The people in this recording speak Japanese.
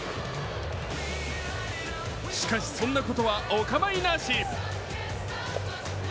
しかし、そんなことはお構いなし。